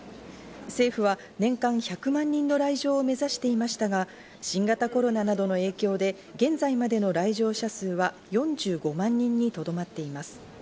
政府は年間１００万人の来場を目指していましたが、新型コロナなどの影響で現在までの来場者数は４５万人にとどまっています。